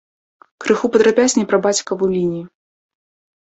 Крыху падрабязней пра бацькаву лінію.